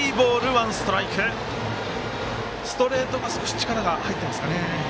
ストレートは少し力が入っていますかね。